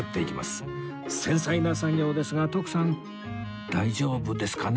繊細な作業ですが徳さん大丈夫ですかね？